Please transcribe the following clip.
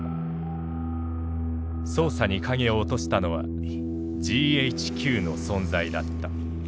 捜査に影を落としたのはＧＨＱの存在だった。